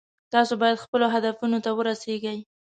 تاسو باید خپلو هدفونو ته ورسیږئ